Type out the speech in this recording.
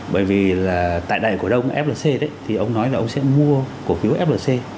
bởi vì là tại đại cổ đông flc thì ông nói là ông sẽ mua cổ phiếu flc